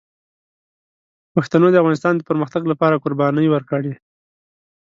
پښتنو د افغانستان د پرمختګ لپاره قربانۍ ورکړي.